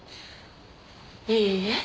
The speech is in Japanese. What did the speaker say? いいえ。